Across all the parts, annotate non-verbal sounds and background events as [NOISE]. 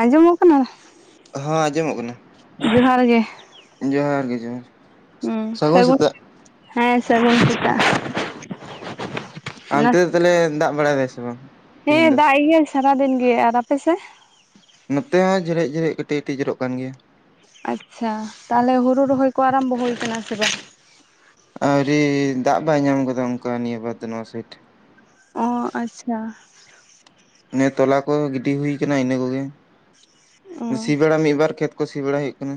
ᱟᱸᱡᱚᱢᱚᱜ ᱠᱟᱱᱟ? ᱦᱚᱸ ᱟᱸᱡᱚᱢᱚᱜ ᱠᱟᱱᱟ᱾ ᱡᱚᱦᱟᱨ ᱜᱮ ᱡᱚᱦᱟᱨ ᱜᱮ ᱡᱚᱦᱟᱨ᱾ ᱦᱩᱸ ᱥᱟᱹᱜᱩᱱ, ᱦᱮᱸ ᱥᱟᱜᱩᱱ ᱥᱮᱛᱟᱜ᱾ ᱟᱨ ᱚᱱᱛᱮ ᱱᱟᱥᱮ ᱫᱚ ᱛᱟᱦᱞᱮ ᱫᱟᱜ ᱵᱟᱲᱟᱭ ᱫᱟᱭ ᱥᱮ ᱵᱟᱝ? ᱛᱤᱦᱤᱧ ᱦᱮᱸ, ᱫᱚ ᱫᱟᱜ ᱤᱜᱭᱟᱹᱭ ᱥᱟᱨᱟᱫᱤᱱ ᱜᱮ᱾ ᱟᱨ ᱟᱯᱮ ᱥᱮ? ᱱᱚᱛᱮ ᱦᱚᱸ ᱡᱷᱮᱨᱮᱡ ᱡᱷᱮᱨᱮᱡ ᱠᱟᱹᱴᱤᱡ ᱠᱟᱹᱴᱤᱡ ᱡᱚᱨᱚᱜ ᱠᱟᱱ ᱜᱮᱭᱟ᱾ ᱟᱪᱪᱷᱟ, ᱛᱟᱦᱚᱞᱮ ᱦᱳᱲᱩ ᱨᱚᱦᱚᱭ ᱠᱚ ᱟᱨᱟᱢᱵᱚ ᱦᱩᱭ ᱠᱟᱱᱟ ᱥᱮ ᱵᱟᱝ? ᱟᱹᱣᱨᱤ ᱫᱟᱜ ᱵᱟᱭ ᱧᱟᱢ ᱠᱟᱫᱟ ᱚᱱᱠᱟ ᱱᱤᱭᱟᱹ ᱵᱟᱨ ᱫᱚ ᱱᱚᱣᱟ ᱥᱟᱭᱤᱴ᱾ ᱚᱸ ᱟᱪᱪᱷᱟ᱾ ᱱᱤᱭᱟᱹ ᱛᱚᱞᱟ ᱠᱚ ᱜᱤᱰᱤ ᱦᱩᱭ ᱠᱟᱱᱟ ᱤᱱᱟᱹ ᱠᱚᱜᱮ, ᱥᱤ ᱵᱮᱲᱟ ᱢᱤᱫᱵᱟᱨ ᱠᱷᱮᱛ ᱠᱚ ᱥᱤ ᱵᱟᱲᱟᱭ ᱦᱩᱭᱩᱜ ᱠᱟᱱᱟ᱾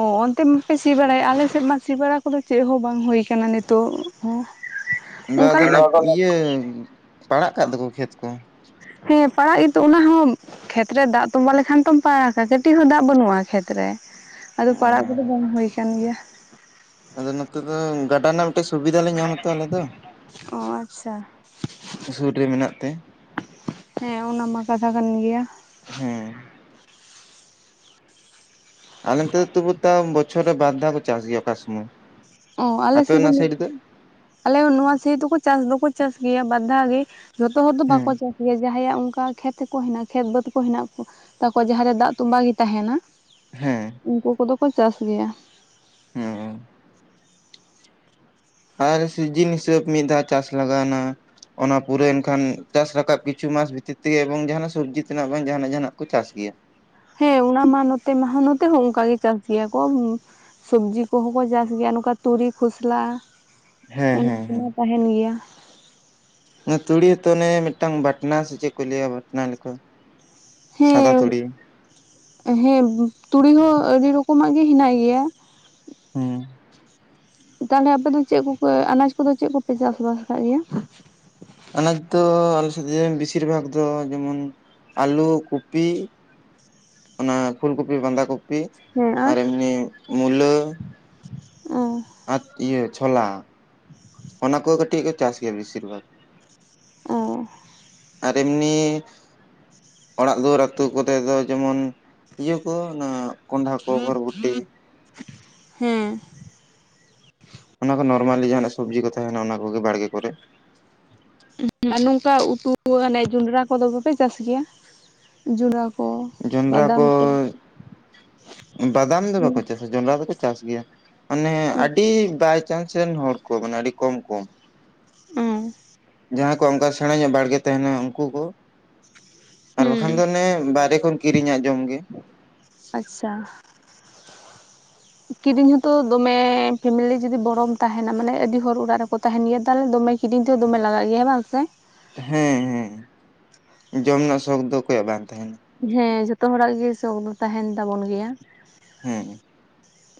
ᱚ, ᱚᱱᱛᱮ ᱢᱟᱯᱮ ᱥᱤ ᱵᱟᱲᱟᱭᱮᱜ ᱟᱞᱮ ᱥᱮᱫ ᱢᱟ ᱥᱤ ᱵᱟᱲᱟ ᱠᱚ ᱫᱚ ᱪᱮᱫ ᱦᱚᱸ ᱵᱟᱝ ᱦᱩᱭ ᱠᱟᱱᱟ ᱱᱤᱛᱚᱜ ᱦᱚᱸ᱾ [UNINTELLIGIBLE] ᱵᱟ ᱟᱫᱚ ᱚᱱᱮ ᱞᱮᱠᱟ ᱤᱭᱟᱹ ᱯᱟᱲᱟᱜ ᱠᱟᱜ ᱫᱚᱠᱚ ᱠᱷᱮᱛ ᱠᱚ᱾ ᱦᱮᱸ ᱯᱟᱲᱟᱜ ᱜᱤᱛᱚ ᱚᱱᱟ ᱦᱚᱸᱼᱼ ᱠᱷᱮᱛ ᱨᱮ ᱫᱟᱜ ᱛᱚᱸᱵᱟ ᱞᱮᱠᱷᱟᱱ ᱛᱚᱢ ᱯᱟᱲᱟᱠᱟ ᱠᱟᱹᱴᱤᱡ ᱦᱚᱸ ᱫᱟᱜ ᱵᱟᱹᱱᱩᱜᱼᱟ ᱠᱷᱮᱛ ᱨᱮ᱾ ᱟᱫᱚ ᱯᱟᱲᱟᱜ ᱠᱚᱫᱚ ᱵᱟᱝ ᱦᱩᱭ ᱠᱟᱱ ᱜᱮᱭᱟ᱾ ᱟᱫᱚ ᱱᱚᱛᱮ‌ ᱫᱚ ᱜᱟᱰᱟ ᱱᱟᱞᱟᱼᱼ ᱴᱤᱡ ᱥᱩᱵᱤᱫᱟ ᱞᱮ ᱧᱟᱢᱟ ᱛᱚ ᱟᱞᱮ ᱫᱚ ᱚ ᱟᱪᱪᱷᱟ ᱥᱩᱨ ᱨᱮ ᱢᱮᱱᱟᱜ ᱛᱮ᱾ ᱦᱮᱸ ᱚᱱᱟ ᱢᱟ ᱠᱟᱛᱷᱟ ᱠᱟᱱ ᱜᱮᱭᱟ᱾ ᱦᱮᱸ᱾ ᱟᱞᱮ ᱱᱤᱛᱚᱜ ᱛᱩᱵᱩ ᱛᱚ ᱵᱚᱪᱷᱚᱨ ᱨᱮ ᱵᱟᱨ ᱫᱷᱟᱣ ᱠᱚ ᱪᱟᱥ ᱜᱮᱭᱟ ᱚᱠᱟ ᱥᱚᱢᱚᱭᱼᱼ ᱚᱸᱻ ᱟᱞᱮ ᱥᱮᱫ ᱫᱚ ᱢᱤᱫ ᱟᱞᱮ ᱱᱚᱣᱟ ᱥᱟᱹᱭᱤᱰ ᱫᱩᱠᱩ ᱪᱟᱥ ᱫᱚᱠᱚ ᱪᱟᱥ ᱜᱤᱭᱟ ᱵᱟᱫᱽ ᱫᱷᱟᱣ ᱜᱤ᱾ ᱡᱷᱚᱛᱚ ᱦᱚᱲ ᱫᱚ ᱦᱮᱸ ᱵᱟᱠᱚ ᱪᱟᱥ ᱜᱮᱭᱟ ᱡᱟᱦᱟᱸ ᱭᱟᱜ ᱩᱱᱠᱟᱼᱼ ᱠᱷᱮᱛ ᱠᱚ ᱦᱮᱱᱟᱜ ᱠᱷᱮᱛ ᱵᱟᱹᱛ ᱠᱚ ᱦᱮᱱᱟᱜ ᱠᱚ ᱛᱟᱠᱚᱣᱟ ᱡᱟᱦᱟᱸ ᱨᱮ ᱫᱟᱜ ᱛᱚᱸᱵᱟ ᱜᱤ ᱛᱟᱦᱮᱸᱱᱟ᱾ ᱦᱮᱸ᱾ ᱩᱱᱠᱩ ᱠᱚᱫᱚ ᱠᱚ ᱪᱟᱥ ᱜᱤᱭᱟ᱾ ᱦᱚᱸᱻ᱾ ᱟᱨ ᱥᱤᱡᱤᱱ ᱦᱤᱥᱟᱹᱵᱽ ᱢᱤᱫ ᱫᱷᱟᱣ ᱪᱟᱥ ᱞᱟᱜᱟᱣ ᱱᱟ᱾ ᱚᱱᱟ ᱯᱩᱨᱟᱹᱣ ᱮᱱᱠᱷᱟᱱ ᱪᱟᱥ ᱨᱟᱠᱟᱵ ᱠᱤᱪᱷᱩ ᱢᱟᱥ ᱵᱷᱤᱛᱤᱨ ᱛᱮᱜᱮ ᱮᱵᱚᱝ ᱡᱟᱦᱟᱸ ᱱᱟᱜ ᱥᱚᱵᱽᱡᱤ ᱛᱮᱱᱟᱜ ᱵᱟᱝ ᱡᱟᱦᱟᱸ ᱱᱟᱜ ᱵᱟᱝ ᱡᱟᱦᱟᱸ ᱱᱟᱜ ᱠᱚ ᱪᱟᱥ ᱜᱤᱭᱟ᱾ ᱦᱮᱸ ᱚᱱᱟ ᱢᱟ ᱱᱚᱛᱮ ᱢᱟ ᱦᱟᱸ ᱱᱚᱛᱮ ᱦᱚᱸ ᱚᱱᱠᱟ ᱜᱮ ᱪᱟᱥ ᱜᱮᱭᱟ ᱠᱚ ᱩᱢᱼᱼ ᱥᱚᱵᱽᱡᱤ ᱠᱚᱦᱚᱸ ᱠᱚ ᱪᱟᱥ ᱜᱮᱭᱟ ᱱᱩᱠᱟ ᱛᱩᱲᱤ ᱠᱷᱚᱥᱞᱟ ᱦᱮᱸ ᱩᱱᱟ ᱦᱮᱸ ᱠᱩᱢᱟ ᱛᱟᱦᱮᱱ ᱜᱮᱭᱟ᱾ ᱚᱱᱮ ᱛᱩᱲᱤ ᱦᱚᱸ ᱛᱚ ᱚᱱᱮ ᱢᱤᱫᱴᱟᱝ ᱵᱟᱴᱱᱟ ᱥᱮ ᱪᱮᱜ ᱠᱚ ᱞᱟᱹᱭᱟ ᱵᱟᱴᱱᱟ ᱞᱮᱠᱟ᱾ ᱥᱟᱫᱟ ᱛᱩᱲᱤ᱾ ᱦᱮᱸᱵᱽ ᱛᱩᱲᱤ ᱦᱚᱸ ᱟᱹᱰᱤ ᱨᱚᱠᱚᱢᱟᱜ ᱜᱤ ᱦᱮᱱᱟᱜ ᱜᱤᱭᱟ᱾ ᱦᱩᱸ᱾ ᱛᱟᱞᱦᱮ ᱟᱯᱮ ᱫᱚ ᱪᱮᱜ ᱠᱩᱯᱮ ᱟᱱᱟᱡᱽ ᱠᱚᱫᱚ ᱪᱮᱜ ᱠᱩᱯᱮ ᱪᱟᱥᱼ ᱵᱟᱥ ᱠᱟᱜ ᱜᱮᱭᱟ? ᱟᱱᱟᱡᱽ ᱫᱚ ᱟᱞᱮ ᱥᱮᱜ ᱫᱚ ᱵᱤᱥᱤᱨ ᱵᱷᱟᱜᱽ ᱫᱚ ᱡᱮᱢᱚᱱ ᱟᱞᱩ ᱠᱚᱯᱤᱼᱼ ᱚᱱᱟ ᱯᱷᱩᱞ ᱠᱩᱯᱤ ᱵᱟᱸᱫᱷᱟ ᱠᱚᱯᱤ ᱦᱮᱸ ᱟᱨ ᱮᱢᱱᱤ ᱢᱩᱞᱟᱹᱼᱼ ᱚᱸᱻ᱾ ᱟᱨ ᱤᱭᱟᱹ ᱪᱷᱳᱞᱟ ᱚᱱᱟ ᱠᱚ ᱠᱟᱹᱴᱤᱡ ᱠᱚ ᱪᱟᱥ ᱜᱮᱭᱟ ᱵᱮᱥᱤᱨ ᱵᱷᱟᱜᱽ᱾ ᱚᱸᱻ᱾ ᱟᱨ ᱮᱢᱱᱤ ᱚᱲᱟᱜ ᱫᱩᱣᱟᱹᱨ ᱟᱛᱩ ᱠᱚᱨᱮ ᱫᱚ ᱡᱮᱢᱚᱱᱼᱼ ᱤᱭᱟᱹ ᱠᱚ ᱚᱱᱟ ᱠᱚᱸᱰᱷᱟ ᱠᱚ ᱵᱚᱨᱵᱚᱴᱤ᱾ ᱦᱮᱸ᱾ ᱚᱱᱟ ᱠᱚ ᱱᱚᱨᱢᱟᱞᱤ ᱡᱟᱦᱟᱸ ᱱᱟᱜ ᱥᱚᱵᱽᱡᱤ ᱠᱚ ᱛᱟᱦᱮᱱᱟ ᱚᱱᱟ ᱠᱚᱜᱮ ᱵᱟᱲᱜᱮ ᱠᱚᱨᱮ᱾ ᱩᱸ ᱟᱨ ᱱᱩᱝᱠᱟ ᱩᱛᱩ ᱚᱱᱮ ᱡᱩᱱᱰᱨᱟ ᱠᱚᱫᱚ ᱵᱟᱯᱮ ᱪᱟᱥ ᱜᱮᱭᱟ? ᱡᱩᱱᱰᱨᱟ ᱠᱚ ᱡᱚᱱᱰᱨᱟ ᱵᱟᱫᱟᱢ ᱠᱚ᱾ ᱩᱸ ᱵᱟᱫᱟᱢ ᱫᱚ ᱵᱟᱠᱚ ᱪᱟᱥᱟ ᱡᱚᱱᱰᱨᱟ ᱫᱚᱠᱚ ᱪᱟᱥ ᱜᱮᱭᱟ ᱢᱟᱱᱮ ᱟᱰᱤ ᱵᱟᱭᱼᱼ ᱪᱟᱱᱥ ᱨᱮᱱ ᱦᱚᱲ ᱠᱚ ᱢᱟᱱᱮ ᱟᱹᱰᱤ ᱠᱚᱢ ᱠᱚ᱾ ᱚᱸᱻ᱾ ᱡᱟᱦᱟᱸ ᱠᱚ ᱚᱝᱠᱟ ᱥᱮᱬᱟ ᱧᱚᱜ ᱵᱟᱲᱜᱮ ᱛᱟᱦᱮᱱᱟ ᱩᱱᱠᱩ ᱠᱚ ᱟᱨ ᱦᱩᱸ ᱵᱟᱠᱷᱟᱱ ᱫᱚ ᱚᱱᱮ ᱵᱟᱨᱮ ᱠᱷᱚᱱᱼᱼ ᱠᱤᱨᱤᱧᱟᱜ ᱡᱚᱢ ᱜᱮ᱾ ᱟᱪᱪᱷᱟ᱾ ᱠᱤᱨᱤᱧ ᱦᱚᱸᱛᱚ ᱫᱚᱢᱮ ᱯᱷᱮᱢᱮᱞᱤ ᱡᱩᱫᱤ ᱵᱚᱲᱚᱢ ᱛᱟᱦᱮᱱᱟ ᱢᱟᱱᱮ ᱟᱹᱰᱤ ᱦᱚᱲ ᱚᱲᱟᱜ ᱨᱮᱠᱚᱼᱼ ᱛᱟᱦᱮᱸᱱ ᱜᱮᱭᱟ ᱛᱟᱦᱚᱞᱮ ᱫᱚᱢᱮ ᱠᱤᱨᱤᱧ ᱛᱮᱦᱚ ᱫᱚᱢᱮ ᱞᱟᱜᱟᱜ ᱜᱮᱭᱟ ᱵᱟᱝ ᱥᱮ? ᱦᱮᱸ ᱦᱮᱸ ᱡᱚᱢ ᱨᱮᱱᱟᱜ ᱥᱚᱠ ᱫᱚ ᱚᱠᱚᱭᱟᱜ ᱵᱟᱝ ᱛᱟᱦᱮᱱᱟ᱾ ᱦᱮᱸ ᱡᱷᱚᱛᱚ ᱦᱚᱲᱟᱜ ᱜᱮ ᱥᱚᱠ ᱫᱚ ᱛᱟᱦᱮᱱ ᱛᱟᱵᱚᱱ ᱜᱮᱭᱟ᱾ ᱦᱮᱸ᱾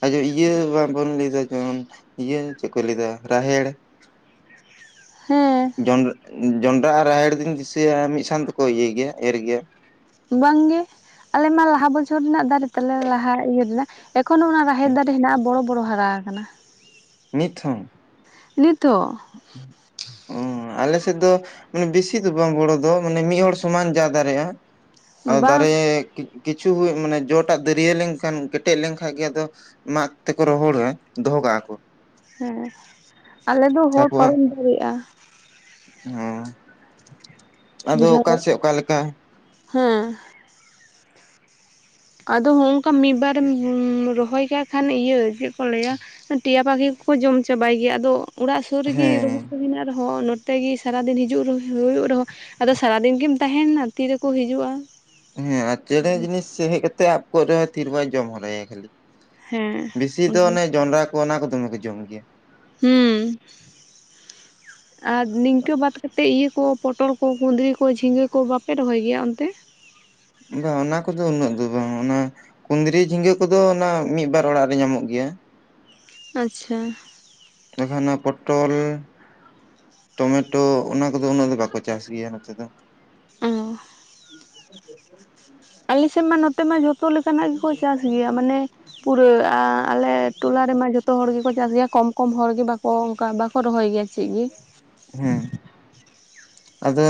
ᱟᱡᱚ ᱤᱭᱟᱹ ᱵᱟᱵᱚᱱ ᱞᱟᱹᱭ ᱫᱟ ᱡᱮᱢᱚᱱ ᱤᱭᱟᱹ ᱪᱮᱜ ᱠᱚ ᱞᱟᱹᱭ ᱫᱟ ᱨᱟᱦᱮᱲ᱾ ᱦᱮᱸ᱾ ᱡᱚᱱᱰ ᱡᱚᱱᱰᱨᱟ ᱟᱨ ᱨᱟᱦᱮᱲ ᱫᱩᱧ ᱫᱤᱥᱟᱹᱭᱟ ᱢᱤᱫ ᱥᱟᱝ ᱛᱮᱠᱚ ᱤᱭᱟᱹᱭ ᱜᱮᱭᱟ ᱮᱨ ᱜᱮᱭᱟ᱾ ᱵᱟᱝ ᱜᱮ, ᱟᱞᱮ ᱢᱟ ᱞᱟᱦᱟ ᱵᱚᱪᱷᱚᱨ ᱨᱮᱱᱟᱜ ᱫᱟᱨᱮ ᱛᱟᱞᱮ ᱞᱟᱦᱟ ᱤᱭᱟᱹ ᱨᱮᱱᱟᱜ᱾ ᱮᱠᱷᱚᱱᱳ ᱚᱱᱟ ᱨᱟᱦᱮᱲ ᱫᱟᱨᱮ ᱦᱮᱱᱟᱜᱼᱟ ᱵᱚᱲᱚ ᱵᱚᱲᱚ ᱦᱟᱨᱟ ᱟᱠᱟᱱᱟ᱾ ᱱᱤᱛ‌ ᱦᱚᱸ᱾ ᱱᱤᱛ ᱦᱚᱸ᱾ ᱚ ᱟᱞᱮᱥᱮᱫ ᱫᱚ ᱢᱟᱱᱮ ᱵᱮᱥᱤ ᱫᱚ ᱵᱟᱝ ᱵᱚᱲᱚ ᱫᱚ, ᱢᱟᱱᱮ ᱢᱤᱫ ᱦᱚᱲ ᱥᱚᱢᱟᱱ ᱡᱟ ᱫᱟᱲᱮᱭᱟᱜᱼᱟ᱾ ᱟᱫᱚ ᱵᱟᱝ ᱫᱟᱨᱮ ᱠᱤ ᱠᱤᱪᱷᱩ ᱡᱚ ᱴᱟᱜ ᱫᱟᱹᱨᱭᱟᱹ ᱞᱮᱱᱠᱷᱟᱱ ᱠᱮᱴᱮᱡ ᱞᱮᱱᱠᱷᱟᱱ ᱜᱮ ᱟᱫᱚ, ᱢᱟᱜᱽ ᱛᱮᱠᱚ ᱨᱚᱦᱚᱲᱟ, ᱫᱚᱦᱚ ᱠᱟᱜᱼᱟ ᱠᱚ᱾ ᱦᱮᱸ ᱟᱞᱮ ᱫᱚ ᱦᱚᱲ ᱛᱟᱯᱚᱨ ᱯᱟᱨᱚᱢ ᱫᱟᱲᱮᱭᱟᱜᱼᱟ᱾ ᱦᱮᱸ ᱟᱫᱚ ᱚᱠᱟ ᱥᱮᱫ ᱚᱠᱟ ᱞᱮᱠᱟ [UNINTELLIGIBLE] ᱦᱮᱸ ᱟᱫᱚ ᱦᱚᱸᱱᱚᱝᱠᱟ ᱢᱤᱫ ᱵᱟᱨᱮᱢ ᱨᱚᱦᱚᱭ ᱠᱟᱜ ᱠᱷᱟᱱ ᱤᱭᱟᱹ ᱪᱮᱫ ᱠᱚ ᱞᱟᱹᱭᱟ᱾ ᱴᱮᱤᱭᱟ ᱯᱟᱠᱷᱤ ᱠᱚᱠᱚ ᱡᱚᱢ ᱪᱟᱵᱟᱭ ᱜᱮᱭᱟ ᱟᱫᱚ ᱚᱲᱟᱜ ᱥᱩᱨ ᱨᱮᱜᱮ ᱨᱚᱦᱚᱭ ᱦᱮᱸ ᱠᱚ ᱢᱮᱱᱟᱜ ᱨᱮᱦᱚᱸ᱾ ᱛᱮᱜᱮ ᱥᱟᱨᱟ ᱫᱤᱱ ᱦᱤᱡᱩᱜ ᱦᱩᱭᱩᱜ ᱨᱮᱦᱚᱸ, ᱟᱫᱚ ᱥᱟᱨᱟ ᱫᱤᱱ ᱜᱮᱢ ᱛᱟᱦᱮᱱᱟ ᱛᱤᱨᱮᱠᱚ ᱦᱤᱡᱩᱜᱼᱟ᱾ ᱦᱮᱸ ᱟᱨ ᱪᱮᱬᱮ ᱡᱤᱱᱤᱥ ᱦᱮᱡ ᱠᱟᱛᱮᱜ ᱟᱵ ᱠᱚ ᱨᱮᱦᱚᱸ ᱛᱤ ᱨᱮ ᱵᱟᱭ ᱡᱚᱢ ᱦᱚᱨᱟᱭᱟ ᱠᱷᱟᱹᱞᱤ᱾ ᱦᱮᱸ ᱵᱮᱥᱤ ᱫᱚ ᱚᱱᱮ ᱡᱚᱱᱰᱨᱟ ᱠᱚ ᱚᱱᱟ ᱠᱚ ᱫᱚᱢᱮ ᱠᱚ ᱡᱚᱢ ᱜᱮᱭᱟ᱾ ᱦᱩᱸ ᱟᱨ ᱱᱤᱝᱠᱟᱹ ᱵᱟᱫ ᱠᱟᱛᱮᱫ ᱤᱭᱟᱹ ᱠᱚ ᱯᱚᱴᱚᱞ ᱠᱚ ᱠᱩᱸᱫᱽᱨᱤ ᱠᱚ ᱡᱷᱤᱸᱜᱟᱹ ᱠᱚ ᱵᱟᱯᱮ ᱨᱚᱦᱚᱭ ᱜᱮᱭᱟ ᱚᱱᱛᱮ᱾ ᱵᱟᱝ ᱚᱱᱟ ᱠᱚᱫᱚ ᱩᱱᱟᱹᱜ ᱫᱚ ᱵᱟᱝ ᱚᱱᱟ, ᱠᱩᱫᱽᱨᱤ ᱡᱷᱤᱸᱜᱟᱹ ᱠᱚᱫᱚ ᱚᱱᱟ ᱢᱤᱫ ᱵᱟᱨ ᱚᱲᱟᱜ ᱨᱮ ᱧᱟᱢᱚᱜ ᱜᱮᱭᱟ᱾ ᱟᱪᱪᱷᱟ [UNINTELLIGIBLE] ᱚᱱᱟ ᱯᱚᱴᱚᱞ ᱴᱚᱢᱮᱴᱳ, ᱚᱱᱟ ᱠᱚᱫᱚ ᱩᱱᱟᱹᱜ ᱫᱚ ᱵᱟᱠᱚ ᱪᱟᱥ ᱜᱮᱭᱟ ᱱᱚᱛᱮ ᱫᱚ᱾ ᱚ ᱟᱞᱤ ᱥᱮ ᱢᱟ ᱱᱚᱛᱮ ᱢᱟ ᱡᱚᱛ ᱡᱚᱛᱚ ᱞᱮᱠᱟᱱᱟᱜ ᱜᱮᱠᱚ ᱪᱟᱥ ᱜᱮᱭᱟ ᱢᱟᱱᱮ ᱯᱩᱨᱟᱹ ᱟᱞᱮ ᱴᱚᱞᱟ ᱨᱮᱢᱟ ᱡᱚᱛᱚ᱾ ᱡᱚᱛᱚ ᱦᱚᱲ ᱜᱮᱠᱚ ᱪᱟᱥ ᱜᱮᱭᱟ ᱠᱚᱢ ᱠᱚᱢ ᱦᱚᱲ ᱜᱮ ᱵᱟᱠᱚ ᱚᱱᱠᱟ ᱵᱟ ᱠᱚ ᱨᱚᱦᱚᱭ ᱜᱮᱭᱟ ᱪᱮᱫ ᱜᱮ᱾ ᱦᱮᱸ ᱟᱫᱚ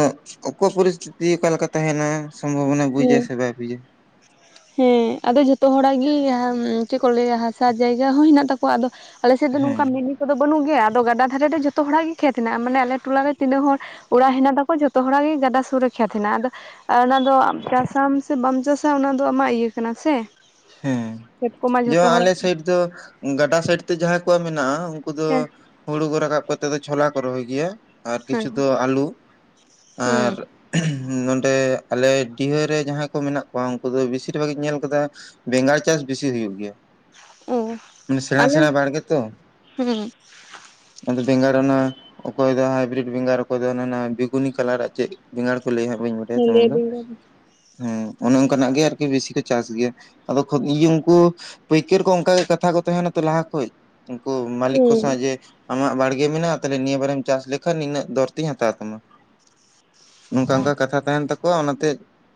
ᱚᱠᱚ ᱯᱚᱨᱤᱥᱛᱤᱛᱤ ᱚᱠᱟᱞᱮᱠᱟ ᱛᱟᱦᱮᱱᱟ, ᱥᱚᱢᱵᱷᱚᱵᱚᱱᱟ ᱵᱩᱡᱟ ᱦᱮᱸ ᱥᱮ ᱵᱟᱭ ᱵᱩᱡᱟ᱾ [INAUDIBLE] ᱦᱮᱸ ᱟᱫᱚ ᱡᱷᱚᱛᱚ ᱦᱚᱲᱟᱜ ᱜᱮ [INAUDIBLE] ᱪᱮᱫ ᱠᱚ ᱞᱟᱹᱭᱟ ᱦᱟᱥᱟ ᱡᱟᱭᱜᱟ ᱦᱚᱸ ᱦᱮᱱᱟᱜ ᱛᱟᱠᱚᱣᱟ ᱟᱫᱚ᱾ ᱟᱞᱮ ᱥᱮᱫ ᱫᱚ ᱱᱚᱝᱠᱟ ᱦᱮᱸ ᱢᱮᱱᱤ ᱠᱚᱫᱚ ᱵᱟᱹᱱᱩᱜ ᱜᱮᱭᱟ, ᱟᱫᱚ ᱜᱟᱰᱟ ᱫᱷᱟᱨᱮ ᱨᱮ ᱡᱚᱛᱚ ᱦᱚᱲᱟᱜ ᱜᱮ ᱠᱷᱮᱛ ᱦᱮᱱᱟᱜ, ᱢᱟᱱᱮ ᱟᱞᱮ ᱴᱚᱞᱟ ᱨᱮ ᱛᱤᱱᱟᱹᱜ ᱦᱚᱲ ᱚᱲᱟᱜ ᱦᱮᱱᱟᱜ ᱛᱟᱠᱚ ᱡᱷᱚᱛᱚ ᱦᱚᱲᱟᱜ ᱜᱮ ᱜᱟᱰᱟ ᱥᱩᱨ ᱨᱮ ᱠᱷᱮᱛ ᱦᱮᱱᱟᱜ-ᱟ ᱟᱫᱚ ᱚᱱᱟ ᱫᱚ ᱪᱟᱥᱟᱢ ᱥᱮ ᱵᱟᱢ ᱪᱟᱥᱟ ᱚᱱᱟ ᱫᱚ ᱟᱢᱟᱜ ᱤᱭᱟᱹ ᱠᱟᱱᱟ ᱥᱮ ᱦᱮᱸ ᱠᱷᱮᱛ ᱠᱚᱢᱟ ᱡᱮᱢᱚᱱ ᱡᱷᱚᱛᱚ ᱟᱞᱮ ᱦᱚᱲᱟᱜ ᱥᱮᱭᱤᱴ ᱫᱚ ᱜᱟᱰᱟ ᱥᱟᱭᱤᱰ ᱛᱮ ᱡᱟᱸᱦᱟᱸᱭ ᱠᱚᱣᱟᱜ ᱢᱮᱱᱟᱜᱼᱟ ᱩᱱᱠᱩ ᱫᱚ ᱦᱮᱸ ᱦᱩᱲᱩ ᱠᱚ ᱨᱟᱠᱟᱵ ᱠᱟᱛᱮᱫ ᱫᱚ ᱪᱷᱳᱞᱟ ᱠᱚ ᱨᱚᱦᱚᱭ ᱜᱮᱭᱟ ᱟᱨ ᱠᱤᱪᱷᱩ ᱦᱮᱸ ᱫᱚ ᱟᱹᱞᱩ ᱟᱨ ᱦᱮᱸ ᱱᱚᱰᱮ ᱟᱞᱮ ᱰᱤᱦᱟᱹᱨᱮ ᱡᱟᱸᱦᱟᱸᱭ ᱠᱚ ᱢᱮᱱᱟᱜ ᱠᱚᱣᱟ ᱩᱱᱠᱩ ᱫᱚ ᱵᱮᱥᱤᱨ ᱵᱷᱟᱜ ᱤᱧ ᱧᱮᱞ ᱠᱟᱫᱟ ᱵᱮᱜᱟᱲ ᱪᱟᱥ ᱵᱮᱥᱤ ᱦᱩᱭᱩᱜ ᱜᱮᱭᱟ᱾ ᱚ ᱢᱟᱱᱮ ᱥᱮᱬᱟ ᱟᱞᱮ ᱥᱮᱬᱟ ᱵᱟᱲᱜᱮ ᱛᱚ, ᱦᱮᱸ ᱟᱫᱚ ᱵᱮᱸᱜᱟᱲ ᱚᱱᱟ ᱚᱠᱚᱭ ᱫᱚ ᱦᱟᱭᱵᱨᱤᱰ ᱵᱮᱸᱜᱟᱲ ᱚᱠᱚᱭ ᱫᱚ ᱵᱮᱜᱩᱱᱤ ᱠᱟᱞᱟᱨᱟᱜ ᱪᱮᱫ ᱵᱮᱸᱟᱲ ᱠᱚ ᱞᱟᱹᱭᱭᱟᱜ ᱵᱟᱹᱧ ᱰᱟᱭᱟ ᱦᱮᱸᱫᱮ ᱛᱮᱢᱚᱱ ᱫᱚ ᱵᱮᱸᱜᱟᱲ ᱦᱮᱸ ᱚᱱᱮ ᱚᱱᱠᱟᱱᱟᱜ ᱜᱮ ᱟᱨᱠᱤ ᱵᱮᱥᱤ ᱠᱚ ᱪᱟᱥ ᱜᱮᱭᱟ᱾ ᱟᱫᱚ ᱠᱷᱚ ᱤᱭᱟᱹ ᱩᱱᱠᱩ ᱯᱟᱹᱭᱠᱟᱹᱨ ᱠᱚ ᱚᱱᱠᱟ ᱜᱮ ᱠᱟᱛᱷᱟ ᱠᱚ ᱛᱟᱦᱮᱸᱱᱟ ᱛᱚ ᱞᱟᱦᱟ ᱠᱷᱚᱡ᱾ ᱩᱝᱠᱩ ᱢᱟᱞᱤᱠ ᱠᱚ ᱥᱟᱶ ᱦᱮᱸ ᱡᱮ ᱟᱢᱟᱜ ᱵᱟᱲᱜᱮ ᱢᱮᱱᱟᱜᱼᱟ ᱛᱟᱦᱚᱞᱮ ᱱᱤᱭᱟᱹ ᱵᱟᱨᱮᱢ ᱪᱟᱥ ᱞᱮᱠᱷᱟᱱ ᱱᱤᱱᱟᱹᱜ ᱫᱚᱨ ᱛᱮᱧ ᱦᱟᱛᱟᱣ ᱛᱟᱢᱟ᱾ ᱱᱚᱝᱠᱟ ᱚᱱᱠᱟ ᱠᱟᱛᱷᱟ ᱛᱟᱦᱮᱸᱱ ᱛᱟᱠᱚᱣᱟ ᱚᱱᱟᱛᱮ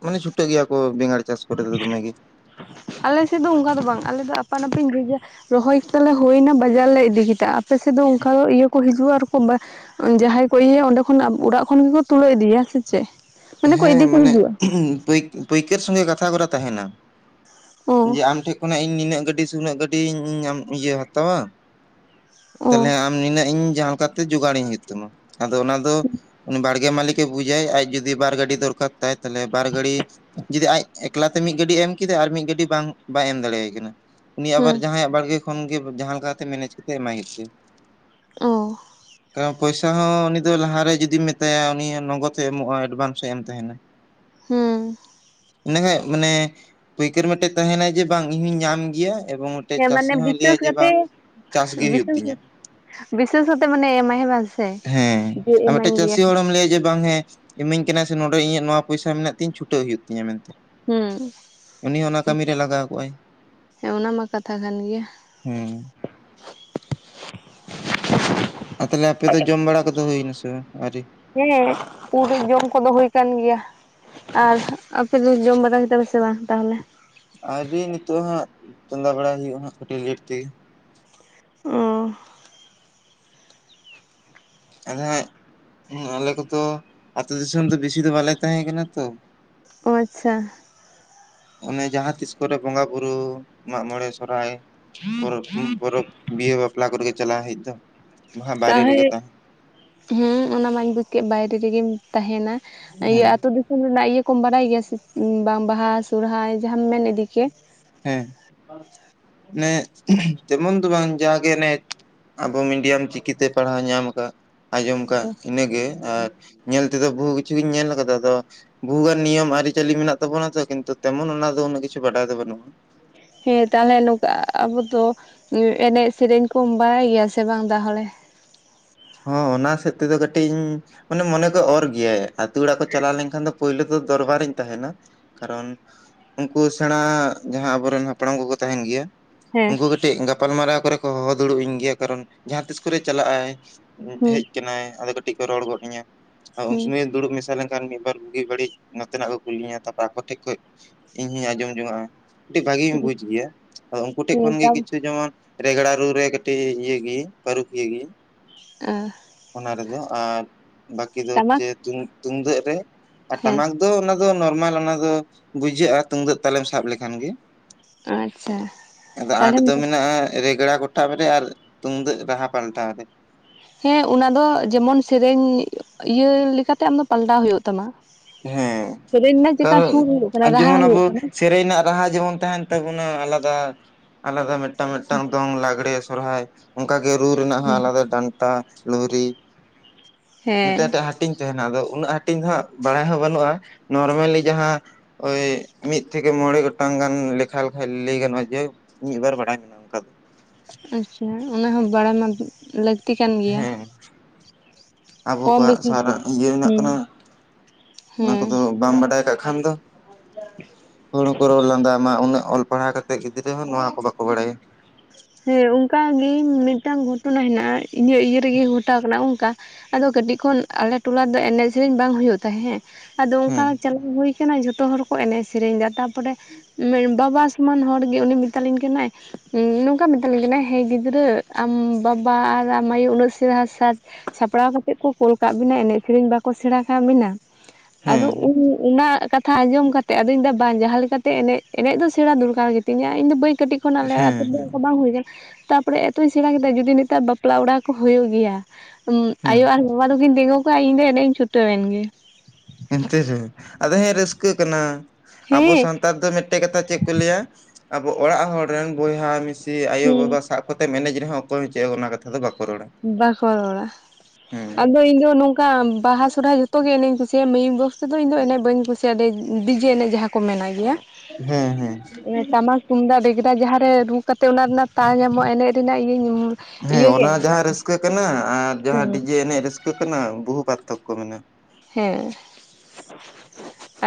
ᱢᱟᱱᱮ ᱪᱷᱩᱴᱟᱹᱜ ᱜᱮᱭᱟ ᱠᱚ ᱵᱮᱸᱜᱟᱲ ᱪᱟᱥ ᱠᱚᱨᱮ ᱫᱚ ᱫᱚᱢᱮ ᱜᱮ᱾ ᱟᱞᱮ ᱥᱮᱫ ᱫᱚ ᱚᱱᱠᱟ ᱫᱚ ᱵᱟᱝ ᱟᱞᱮ ᱫᱚ ᱟᱯᱟᱱ ᱟᱹᱯᱤᱱᱧ ᱵᱩᱡᱮᱭᱟ ᱨᱚᱦᱚᱭ ᱠᱮᱫᱟᱞᱮ ᱦᱩᱭ ᱱᱟ ᱵᱟᱡᱟᱨ ᱞᱮ ᱤᱫᱤ ᱠᱮᱫᱟ ᱟᱯᱮᱥᱮᱫ ᱫᱚ ᱚᱱᱠᱟ ᱤᱭᱟᱹ ᱠᱚ ᱦᱤᱡᱩᱜᱼᱟ ᱟᱨᱠᱚ ᱵᱟ ᱡᱟᱦᱟᱸᱭ ᱠᱚ ᱤᱭᱟᱹᱭᱟ ᱚᱸᱰᱮ ᱠᱷᱚᱱ ᱚᱲᱟᱜ ᱠᱷᱚᱱ ᱜᱮᱠᱚ ᱛᱩᱞᱟᱹᱣ ᱤᱫᱤᱭᱟ ᱦᱮᱸ ᱥᱮ ᱪᱮᱫ? ᱢᱟᱱᱮ ᱠᱚ ᱦᱮᱸ ᱤᱫᱤ ᱠᱚ ᱢᱟᱱᱮ ᱦᱤᱡᱩᱜᱼᱟ ᱯᱟᱹᱭ ᱯᱟᱹᱭᱠᱟᱹᱨ ᱥᱚᱝᱜᱮ ᱠᱟᱛᱷᱟ ᱠᱚᱨᱟ ᱛᱟᱦᱮᱸᱱᱟ ᱚ ᱡᱮ ᱟᱢ ᱴᱷᱮᱡ ᱠᱷᱚᱱᱟᱜ ᱤᱧ ᱱᱤᱱᱟᱹᱜ ᱜᱟᱹᱰᱤ ᱥᱮ ᱩᱱᱟᱹᱜ ᱜᱟᱹᱰᱤᱧ ᱧᱟᱢ ᱤᱭᱟᱹ ᱦᱟᱛᱟᱣᱟ, ᱚ ᱛᱟᱦᱞᱮ ᱟᱢ ᱱᱤᱱᱟᱹᱜ ᱤᱧ ᱡᱟᱦᱟᱸ ᱞᱮᱠᱟᱛᱮ ᱡᱚᱜᱟᱲᱤᱧ ᱦᱩᱭᱩᱜ ᱛᱟᱢᱟ, ᱟᱫᱚ ᱚᱱᱟ ᱫᱚ ᱵᱟᱲᱜᱮ ᱢᱟᱹᱞᱤᱠ ᱮ ᱵᱩᱡᱟᱭ ᱟᱡ ᱡᱩᱫᱤ ᱵᱟᱨ ᱜᱟᱰᱤ ᱫᱚᱨᱠᱟᱨ ᱛᱟᱭ, ᱛᱟᱦᱞᱮ ᱵᱟᱨ ᱜᱟᱲᱤ ᱡᱩᱫᱤ ᱟᱡ ᱮᱠᱞᱟᱛᱮ ᱢᱤᱫ ᱜᱟᱹᱰᱤᱭ ᱮᱢ ᱠᱮᱫᱟᱭ, ᱟᱨ ᱢᱤᱫ ᱜᱟᱹᱰᱤ ᱵᱟᱝ ᱵᱟᱭ ᱮᱢ ᱫᱟᱲᱮᱭᱟᱭ ᱠᱟᱱᱟ, ᱩᱱᱤ ᱟᱵᱟᱨ ᱦᱮᱸ ᱡᱟᱦᱟᱸᱭᱟᱜ ᱵᱟᱲᱜᱮ ᱠᱷᱚᱱᱜᱮ ᱡᱟᱦᱟᱸ ᱞᱮᱠᱟᱛᱮ ᱢᱮᱱᱮᱡ ᱠᱟᱛᱮᱜ ᱮᱢᱟᱭ ᱦᱩᱭᱩᱜ ᱚ ᱛᱟᱭᱟ᱾ ᱴᱟᱠᱟ ᱯᱚᱭᱥᱟ ᱦᱚᱸ ᱩᱱᱤ ᱫᱚ ᱞᱟᱦᱟᱨᱮ ᱡᱩᱫᱤᱢ ᱢᱮᱛᱟᱭᱟ ᱩᱱᱤ ᱱᱚᱜᱚᱫᱮ ᱮᱢᱚᱜᱼᱟ ᱮᱴᱵᱷᱟᱝᱥᱮ ᱮᱢ ᱛᱟᱦᱮᱸᱱᱟ᱾ ᱦᱩᱸ᱾ ᱤᱱᱟᱹ ᱠᱷᱟᱡ ᱢᱟᱱᱮ ᱯᱟᱹᱭᱠᱟᱹᱨ ᱢᱤᱫᱴᱮᱡ ᱛᱟᱦᱮᱸᱱᱟᱭ ᱡᱮ ᱵᱟᱝ ᱤᱧᱦᱩᱧ ᱧᱟᱢ ᱜᱮᱭᱟ ᱮᱵᱚᱝ ᱢᱤᱫᱴᱮᱡ ᱦᱮᱸ ᱪᱟᱹᱥᱤ ᱢᱟᱱᱮ ᱦᱚᱸᱭ ᱞᱟᱹᱭᱟ ᱵᱤᱥᱮᱥ ᱡᱮ ᱵᱟᱝ ᱠᱟᱛᱮ ᱪᱟᱥ ᱜᱮ ᱦᱩᱭᱩᱜ ᱵᱤᱥᱮᱥ ᱛᱤᱧᱟ᱾ ᱵᱤᱥᱮᱥ ᱠᱟᱛᱮ ᱢᱟᱱᱮ ᱮᱢᱟᱭ ᱦᱮᱸ ᱵᱟᱝ ᱥᱮ ᱦᱮᱸ ᱡᱮ ᱟᱨ ᱢᱤᱫᱴᱮᱡ ᱤᱢᱟᱹᱧ ᱜᱮᱭᱟ ᱪᱟᱹᱥᱤ ᱦᱚᱲᱮᱢ ᱞᱟᱹᱭᱟ ᱡᱮ ᱵᱟᱝ ᱦᱮᱸ ᱤᱢᱟᱹᱧ ᱠᱟᱱᱟ ᱥᱮ ᱱᱚᱰᱮ ᱤᱧᱟᱹᱜ ᱱᱚᱣᱟ ᱯᱚᱭᱥᱟ ᱢᱮᱱᱟᱜ ᱛᱤᱧ ᱪᱷᱩᱴᱟᱹᱣ ᱦᱩᱭᱩᱜ ᱛᱤᱧᱟᱹ ᱢᱮᱱᱛᱮ᱾ ᱦᱩᱸ ᱩᱱᱤ ᱦᱚᱸ ᱚᱱᱟ ᱦᱩᱸ ᱠᱟᱹᱢᱤ ᱨᱮ ᱞᱟᱜᱟᱣ ᱠᱚᱜᱼᱟᱭ ᱦᱮᱸ ᱚᱱᱟ ᱢᱟ ᱠᱟᱛᱷᱟ ᱠᱟᱱ ᱜᱮᱭᱟ᱾ ᱦᱩᱸ᱾ ᱟᱨ ᱛᱟᱦᱚᱞᱮ ᱟᱯᱮ ᱫᱚ ᱡᱚᱢ ᱵᱟᱲᱟ ᱠᱚᱫᱚ ᱦᱩᱭᱱᱟᱥᱮ ᱵᱟᱝ ᱟᱣᱨᱤ? ᱦᱮᱸ [UNINTELLIGIBLE] ᱡᱚᱢ ᱠᱚ ᱵᱟᱦᱩ ᱦᱩᱭ ᱠᱟᱱ ᱜᱮᱭᱟ᱾ ᱟᱨ ᱟᱯᱮᱫ ᱫᱚ ᱡᱚᱢ ᱵᱟᱲᱟ ᱠᱮᱫᱟ ᱯᱮ ᱥᱮ ᱵᱟᱝ ᱛᱟᱦᱚᱞᱮ? ᱟᱣᱨᱤ ᱱᱤᱛᱚᱜ ᱦᱟᱸᱜ ᱪᱚᱸᱫᱟ ᱵᱟᱲᱟᱭ ᱦᱩᱭᱩᱜᱼᱟ ᱦᱟᱸᱜ ᱠᱟᱹᱴᱤᱡ ᱞᱮᱴ ᱛᱮᱜᱮ᱾ ᱚ᱾ ᱟᱫᱚ ᱦᱟᱸᱜ ᱟᱞᱮ ᱠᱚᱫᱚ ᱟᱛᱳ ᱫᱤᱥᱚᱢ ᱫᱚ ᱵᱮᱥᱤ ᱫᱚ ᱵᱟᱞᱮ ᱛᱟᱦᱮᱸ ᱠᱟᱱᱟ ᱛᱚ, ᱚ ᱟᱪᱪᱷᱟ᱾ ᱚᱱᱮ ᱡᱟᱦᱟᱸ ᱛᱤᱥ ᱠᱚᱨᱮ ᱵᱚᱸᱜᱟ ᱵᱩᱨᱩ ᱢᱟᱜ ᱢᱚᱬᱮ ᱥᱚᱦᱨᱟᱭ ᱯᱚᱨᱚᱵ ᱯᱚᱨᱚᱵᱽ ᱵᱤᱭᱮ ᱵᱟᱯᱞᱟ ᱠᱚᱨᱮ ᱪᱟᱞᱟᱜ ᱦᱩᱭᱩᱜ ᱫᱚ᱾ ᱵᱟᱝ ᱛᱟ ᱵᱟᱭᱨᱮ ᱨᱮᱜᱮ ᱦᱮᱸ ᱛᱟᱦᱮᱸ ᱦᱩᱸ ᱚᱱᱟ ᱢᱟᱧ ᱵᱩᱡᱽ ᱠᱮᱫ ᱵᱟᱭᱨᱮ ᱨᱮᱜᱮᱢ ᱛᱟᱦᱮᱸᱱᱟ, ᱤᱭᱟᱹ ᱦᱮᱸ ᱟᱹᱛᱩ ᱫᱤᱥᱚᱢ ᱨᱮᱱᱟᱜ ᱤᱭᱟᱹ ᱠᱚᱢ ᱵᱟᱰᱟᱭ ᱜᱮᱭᱟ ᱥᱮ ᱵᱟᱝ ᱵᱟᱦᱟ ᱥᱚᱦᱨᱟᱭ ᱡᱟᱦᱟᱸᱢ ᱢᱮᱱ ᱤᱫᱤ ᱠᱮᱜ? ᱦᱮᱸ ᱱᱮ ᱛᱮᱢᱚᱱ ᱫᱚ ᱵᱟᱝ ᱡᱟᱜᱮ ᱱᱮ ᱟᱵᱚ ᱢᱤᱰᱤᱭᱟᱢ ᱪᱤᱠᱤᱛᱮ ᱯᱟᱲᱦᱟᱣ ᱧᱟᱢ ᱠᱟᱜ ᱟᱸᱡᱚᱢ ᱠᱟᱜ ᱤᱱᱟᱹᱜᱮ, ᱟᱨ ᱧᱮᱞ ᱛᱮᱫᱚ ᱵᱚᱦᱩ ᱠᱤᱪᱷᱩ ᱜᱮᱧ ᱧᱮᱞ ᱠᱟᱫᱟ ᱟᱫᱚ-ᱼ ᱵᱷᱩᱜᱟᱱ ᱱᱤᱭᱚᱢ ᱟᱹᱨᱤᱪᱟᱹᱞᱤ ᱢᱮᱱᱟᱜ ᱛᱟᱵᱚᱱᱟ ᱛᱚ ᱠᱤᱱᱛᱩ ᱛᱮᱢᱚᱱ ᱚᱱᱟ ᱫᱚ ᱩᱱᱟᱹᱜ ᱠᱤᱪᱷᱩ ᱵᱟᱰᱟᱭ ᱫᱚ ᱵᱟᱹᱱᱩᱜᱼᱟ᱾ ᱦᱮᱸ ᱛᱟᱦᱚᱞᱮ ᱱᱚᱝᱠᱟ ᱟᱵᱚ ᱫᱚ ᱮᱱᱮᱡ ᱥᱮᱨᱮᱧ ᱠᱚ ᱵᱟᱲᱟᱭ ᱜᱮᱭᱟ ᱥᱮ ᱵᱟᱝ ᱫᱟᱦᱚᱞᱮ? ᱦᱚᱸ ᱚᱱᱟ ᱥᱮᱫ ᱛᱮᱫᱚ ᱠᱟᱹᱴᱤᱧ ᱢᱟᱱᱮ ᱢᱚᱱᱮ ᱠᱚ ᱚᱨ ᱜᱮᱭᱟᱭᱛᱳ ᱚᱲᱟᱜ ᱠᱚ ᱪᱟᱞᱟᱣ ᱞᱮᱱᱠᱷᱟᱱ ᱫᱚ ᱯᱳᱭᱞᱳ ᱫᱚᱨᱵᱟᱨᱤᱧ ᱛᱟᱦᱮᱸᱱᱟ ᱠᱟᱨᱚᱱ ᱩᱱᱠᱩ ᱥᱮᱬᱟ ᱡᱟᱦᱟᱸ ᱟᱵᱚᱨᱮᱱ ᱦᱟᱯᱲᱟᱢ ᱠᱚᱠᱚ ᱛᱟᱦᱮᱸᱱ ᱜᱮᱭᱟ, ᱦᱮᱸ ᱩᱱᱠᱩ ᱠᱟᱹᱴᱤᱡ ᱜᱟᱯᱟᱞᱢᱟᱨᱟᱣ ᱠᱚᱨᱮ ᱠᱚ ᱦᱚᱦᱚ ᱫᱩᱲᱩᱵ ᱤᱧ ᱜᱮᱭᱟ ᱾ ᱠᱟᱨᱚᱱ ᱡᱟᱦᱟᱸ ᱛᱤᱥ ᱠᱚᱨᱮ ᱪᱟᱞᱟᱜᱼᱟᱭ᱾ ᱦᱮᱡ ᱦᱩᱸ ᱟᱠᱟᱱᱟᱭ᱾ ᱟᱫᱚ ᱠᱟᱹᱴᱤᱡ ᱠᱚ ᱨᱚᱲ ᱜᱚᱫ ᱟᱹᱧᱟ᱾ ᱟᱫᱚ ᱩᱱ ᱦᱩᱸ ᱥᱩᱢᱟᱹᱭ ᱫᱩᱲᱩᱵ ᱢᱮᱥᱟ ᱞᱮᱱᱠᱷᱟᱱ ᱢᱤᱫᱵᱟᱨ ᱵᱩᱜᱤ ᱵᱟᱹᱲᱤᱡᱼᱼ ᱱᱚᱛᱮᱱᱟᱜ ᱠᱚ ᱠᱩᱞᱤᱧᱟ᱾ ᱛᱟᱯᱚᱨ ᱟᱠᱚ ᱴᱷᱮᱡ ᱠᱷᱚᱡ ᱤᱧ ᱦᱚᱸᱧ ᱟᱸᱡᱚᱢ ᱡᱚᱝ ᱟᱜᱼᱟ᱾ ᱠᱟᱹᱤᱡ ᱵᱷᱟᱜᱤᱧ ᱵᱩᱡ ᱜᱮᱭᱟ᱾ ᱟᱫᱚ ᱩᱱᱠᱩ ᱴᱷᱮᱡ ᱦᱮᱸ ᱠᱷᱚᱱ ᱜᱮ ᱛᱟᱢ ᱠᱤᱪᱷᱩ ᱡᱮᱢᱚᱱᱼᱼ ᱨᱮᱜᱽᱲᱟ ᱨᱩ ᱨᱮ ᱠᱟᱹᱴᱤᱡ ᱤᱭᱟᱹ ᱜᱤᱧ, ᱯᱟᱹᱨᱩᱠᱷᱤᱭᱟᱹ ᱜᱤᱧ᱾ ᱮᱸ᱾ ᱚᱱᱟ ᱨᱮᱫᱚ ᱟᱨ ᱵᱟᱠᱤ ᱫᱚ ᱴᱟᱢᱟᱠ ᱪᱮ [UNINTELLIGIBLE] ᱛᱩᱢᱫᱟᱹᱜ ᱨᱮ ᱟᱨ ᱦᱮᱸ ᱴᱟᱢᱟᱠᱼᱼ ᱫᱚ ᱚᱱᱟ ᱫᱚ ᱱᱚᱨᱢᱟᱞ ᱚᱱᱟ ᱫᱚ ᱵᱩᱡᱷᱟᱹᱜᱼᱟ᱾ ᱛᱩᱢᱫᱟᱹᱜ ᱛᱟᱞᱮᱢ ᱥᱟᱵ ᱞᱮᱠᱷᱟᱱ ᱜᱮ᱾ ᱟᱪᱪᱷᱟ ᱟᱫᱚ ᱟᱸᱴ ᱫᱚ ᱛᱟᱦᱚᱞᱮ ᱢᱮᱱᱟᱜᱼᱟ᱾ ᱨᱮᱜᱽᱲᱟ ᱜᱚᱴᱟᱵ ᱨᱮ ᱟᱨ ᱛᱩᱢᱫᱟᱹᱜ ᱨᱟᱦᱟ ᱯᱟᱞᱴᱟᱣ ᱨᱮ᱾ ᱦᱮᱸ ᱚᱱᱟ ᱫᱚ ᱡᱮᱢᱚᱱ ᱥᱮᱨᱮᱧ ᱤᱭᱟᱹ ᱞᱮᱠᱟᱛᱮ ᱟᱢ ᱫᱚᱼᱼ ᱯᱟᱞᱴᱟᱣ ᱦᱳᱭᱳᱜ ᱛᱟᱢᱟ᱾ ᱦᱮᱸ ᱥᱮᱨᱮᱧ ᱨᱮᱱᱟᱜ ᱪᱮᱠᱟ ᱠᱟᱨᱚᱱ ᱥᱩᱨ ᱦᱩᱭᱩᱜ ᱠᱟᱱᱟ ᱟᱨ ᱨᱟᱦᱟ ᱡᱮᱢᱚᱱ ᱦᱩᱭᱩᱜ ᱟᱵᱚ ᱠᱟᱱᱟ᱾ ᱥᱮᱨᱮᱧ ᱨᱮᱱᱟᱜ ᱨᱟᱦᱟ ᱡᱮᱢᱚᱱ ᱛᱟᱦᱮᱱ ᱛᱟᱵᱚᱱᱟ ᱟᱞᱟᱫᱟ, ᱟᱞᱟᱫᱟ ᱢᱤᱫᱴᱟᱝ, ᱢᱤᱫᱴᱟᱝ ᱫᱚᱝ, ᱞᱟᱜᱽᱲᱮ, ᱥᱚᱨᱦᱟᱭ ᱚᱱᱠᱟ ᱜᱮ ᱨᱩ ᱨᱮᱱᱟᱜ ᱦᱚᱸ ᱦᱮᱸ ᱟᱞᱟᱫᱟ ᱰᱟᱱᱴᱟ, ᱞᱩᱨᱦᱤ, ᱦᱮᱸ ᱢᱤᱫᱴᱮᱱ [UNINTELLIGIBLE] ᱦᱟᱹᱴᱤᱧ ᱛᱟᱦᱮᱱᱟ ᱟᱫᱚ ᱾ ᱩᱱᱟᱹᱜ ᱦᱟᱹᱴᱤᱧ ᱫᱚ ᱦᱟᱸᱜ ᱵᱟᱲᱟᱭ ᱦᱚᱸ ᱵᱟᱹᱱᱩᱜᱼᱟ ᱾ ᱱᱚᱨᱢᱮᱞᱤ ᱡᱟᱦᱟᱸᱼᱼ ᱳᱭ ᱢᱤᱫ ᱛᱷᱮᱠᱮ ᱢᱚᱬᱮ ᱜᱚᱴᱟᱝ ᱜᱟᱱ ᱞᱮᱠᱷᱟ ᱞᱮᱠᱷᱟᱡ ᱞᱟᱹᱭ ᱜᱟᱱᱚᱜᱼᱟ᱾ ᱡᱟᱭᱦᱳᱜ ᱢᱤᱫᱵᱟᱨ ᱵᱟᱲᱟᱭ ᱢᱮᱱᱟᱜᱼᱟ᱾ ᱚᱱᱠᱟ ᱫᱚ᱾ ᱟᱪᱪᱷᱟ, ᱚᱱᱟᱦᱚᱸ ᱵᱟᱲᱟᱭ ᱢᱟ ᱞᱟᱹᱠᱛᱤ ᱠᱟᱱ ᱜᱮᱭᱟ᱾ ᱦᱮᱸ ᱟᱵᱚ ᱠᱚᱢ ᱠᱚᱣᱟᱜ ᱵᱮᱥᱤ ᱫᱚ ᱥᱟᱨᱟᱜ ᱤᱭᱟᱹ ᱨᱮᱱᱟᱜ ᱦᱮᱸ ᱠᱟᱱᱟ ᱾ ᱚᱱᱟ ᱦᱮᱸ ᱠᱚᱫᱚ ᱵᱟᱢ ᱵᱟᱰᱟᱭ ᱠᱷᱟᱜ ᱠᱷᱟᱱ ᱫᱚ᱾ ᱦᱚᱲ ᱦᱚᱸᱠᱚ ᱨᱚᱲ ᱞᱟᱸᱫᱟ ᱟᱢᱟ ᱩᱱᱟᱹᱜ ᱚᱞ ᱯᱟᱲᱦᱟᱣ ᱠᱟᱛᱮᱼᱼ ᱜᱤᱫᱽᱨᱟᱹ ᱦᱚᱸ ᱱᱚᱣᱟ ᱠᱚ ᱵᱟᱠᱚ ᱵᱟᱲᱟᱭᱟ᱾ ᱦᱮᱸ ᱚᱱᱠᱟ ᱜᱤ, ᱢᱤᱫᱴᱟᱝ ᱜᱷᱚᱴᱚᱱᱟ ᱦᱮᱱᱟᱜᱼᱟ᱾ ᱤᱧᱟᱹᱜ ᱤᱭᱟᱹ ᱨᱮᱜᱮ ᱜᱷᱚᱴᱟᱣ ᱠᱟᱱᱟ ᱚᱱᱠᱟ᱾ ᱟᱫᱚ ᱠᱟᱹᱴᱤᱡ ᱠᱷᱚᱱ ᱟᱞᱮ ᱴᱚᱞᱟ ᱨᱮᱫᱚ ᱮᱱᱮᱡᱽ ᱥᱮᱨᱮᱧ ᱵᱟᱝ ᱦᱩᱭᱩᱜ ᱛᱟᱦᱮᱸ ᱮᱸ, ᱟᱫᱚ ᱚᱱᱠᱟᱼᱼ ᱦᱮᱸ ᱪᱟᱞᱟᱣ ᱦᱩᱭ ᱟᱠᱟᱱᱟ᱾ ᱡᱷᱚᱛᱚ ᱦᱚᱲ ᱠᱚ ᱮᱱᱮᱡᱽ ᱥᱮᱨᱮᱧ ᱮᱫᱟ᱾ ᱛᱟᱯᱚᱨᱮ ᱵᱟᱵᱟ ᱥᱚᱢᱟᱱ ᱦᱚᱲ ᱜᱮ ᱩᱱᱤ ᱢᱮᱛᱟᱞᱤᱧ ᱠᱟᱱᱟᱭ [UNINTELLIGIBLE] ᱚᱱᱠᱟ ᱢᱮᱛᱟᱞᱤᱧ ᱠᱟᱱᱟ᱾ ᱦᱮᱸ ᱜᱤᱫᱽᱨᱟᱹ ᱟᱢ ᱵᱟᱵᱟ ᱟᱨ ᱟᱢ ᱟᱭᱳ ᱩᱱᱟᱹᱜ ᱪᱮᱦᱨᱟ ᱥᱟᱡᱽᱼᱼ ᱥᱟᱯᱲᱟᱣ ᱠᱟᱛᱮᱫ ᱠᱚ ᱠᱳᱞ ᱠᱟᱜ ᱵᱤᱱᱟ᱾ ᱮᱱᱮᱡᱽ ᱥᱮᱨᱮᱧ ᱵᱟᱠᱚ ᱥᱮᱬᱟ ᱠᱟᱜ ᱵᱤᱱᱟ ᱾ ᱦᱮᱸ ᱟᱫᱚ ᱩ ᱼᱼ ᱚᱱᱟ ᱠᱟᱛᱷᱟ ᱟᱸᱡᱚᱢ ᱠᱟᱛᱮ, ᱟᱫᱚᱧ ᱞᱟᱹᱭ ᱫᱟ ᱵᱟᱝ, ᱡᱟᱦᱟᱸ ᱞᱮᱠᱟᱛᱮ ᱮᱱᱮᱡᱽ, ᱮᱱᱮᱡᱽ ᱫᱚ ᱥᱮᱬᱟ ᱫᱚᱨᱠᱟᱨ ᱜᱮᱛᱤᱧᱟ᱾ ᱤᱧ ᱫᱚ ᱵᱟᱹᱧ ᱠᱟᱹᱴᱤᱡᱼᱼ ᱦᱮᱸ ᱦᱮᱸ [UNINTELLIGIBLE] ᱦᱩᱭ ᱠᱟᱱᱟ ᱾ ᱛᱟᱯᱚᱨᱮ ᱮᱛᱚᱧ ᱥᱮᱬᱟ ᱠᱮᱫᱟ ᱾ ᱡᱩᱫᱤ ᱱᱮᱛᱟᱨ ᱵᱟᱯᱞᱟ ᱚᱲᱟᱜ ᱠᱚ ᱦᱩᱭᱩᱜ ᱜᱮᱭᱟᱼ ᱦᱮᱸ ᱟᱭᱳ ᱟᱨ ᱵᱟᱵᱟ ᱫᱚᱠᱤᱱ ᱛᱤᱸᱜᱩ ᱠᱚᱜᱼᱟ᱾ ᱤᱧ ᱫᱚ ᱮᱱᱮᱡᱽ ᱤᱧ ᱪᱷᱩᱴᱟᱹᱣ ᱮᱱ ᱜᱮ᱾ ᱮᱱᱛᱮ ᱨᱮ ᱟᱫᱚ ᱦᱮᱸ ᱨᱟᱹᱥᱠᱟᱹ ᱠᱟᱱᱟ᱾ ᱟᱵᱚ ᱦᱮᱸ ᱥᱟᱱᱛᱟᱲ ᱫᱚ ᱢᱤᱫᱼᱼ [UNINTELLIGIBLE] ᱠᱟᱛᱷᱟ ᱪᱮᱫ ᱠᱚ ᱞᱟᱹᱭᱟ᱾ ᱟᱵᱚ ᱚᱲᱟᱜ ᱦᱚᱲ ᱨᱮᱱ ᱵᱚᱭᱦᱟ, ᱢᱤᱥᱤ, ᱟᱭᱳ, ᱵᱟᱵᱟᱼᱼ ᱥᱟᱵ ᱠᱟᱛᱮᱢ ᱮᱱᱮᱡᱽ ᱨᱮᱦᱚᱸ, ᱚᱠᱚᱭ ᱦᱚᱸ ᱪᱮᱫ ᱚᱱᱟ ᱠᱟᱛᱷᱟ ᱫᱚ ᱵᱟᱠᱚ ᱨᱚᱲᱟ᱾ ᱵᱟᱠᱚ ᱨᱚᱲᱟ᱾ ᱦᱮᱸ ᱟᱫᱚ ᱤᱧ ᱫᱚ ᱱᱚᱝᱠᱟ ᱵᱟᱦᱟ, ᱥᱚᱨᱦᱟᱭ ᱡᱷᱚᱛᱜᱮ ᱮᱱᱮᱡᱽ ᱤᱧ ᱠᱩᱥᱤᱭᱟᱜᱼᱟ᱾ ᱢᱟᱹᱭᱩᱠ ᱵᱚᱠᱥᱼᱼ ᱥᱩᱫᱷᱩ ᱤᱧᱫᱚ ᱮᱱᱮᱡᱽ ᱵᱟᱹᱧ ᱠᱩᱥᱤᱭᱟᱜᱼᱟ᱾ ᱰᱤᱡᱮ ᱮᱱᱮᱡᱽ ᱡᱟᱦᱟᱸ ᱠᱚ ᱢᱮᱱᱟᱜ ᱜᱮᱭᱟ᱾ ᱦᱮᱸ ᱦᱮᱸ ᱴᱟᱢᱟᱠᱼᱼ ᱛᱩᱢᱫᱟᱜ, ᱵᱮᱜᱽᱲᱟ ᱡᱟᱦᱟᱸ ᱨᱮ ᱨᱩ ᱠᱟᱛᱮ, ᱚᱱᱟ ᱨᱮᱱᱟᱜ ᱛᱟᱣ ᱧᱟᱢᱚᱜᱼᱟ᱾ ᱮᱱᱮᱡᱽ ᱨᱮᱱᱟᱜ ᱤᱭᱟᱹᱧᱼᱼ ᱦᱮᱸ ᱚᱱᱟ ᱡᱟᱦᱟᱸ ᱨᱟᱹᱥᱠᱟᱹ ᱠᱟᱱᱟ᱾ ᱟᱨ ᱡᱟᱦᱟᱸ ᱰᱤᱡᱮ ᱮᱱᱮᱡᱽ ᱨᱟᱹᱥᱠᱟᱹ ᱠᱟᱱᱟ᱾ ᱵᱚᱦᱩ ᱯᱟᱨᱛᱷᱚᱠᱠᱚ ᱢᱮᱱᱟᱜᱼᱟ᱾ ᱦᱮᱸ᱾